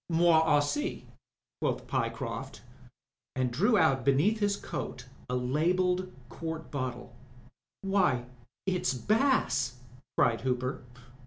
" Moi aiLssi/' quoth Pyecroft, and drew out beneath his coat a labelled quart bottle. "Why, it*s Bass," cried Hooper.